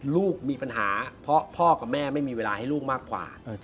ลูกมีปัญหาเพราะพ่อกับแม่ไม่มีเวลาให้ลูกมากกว่า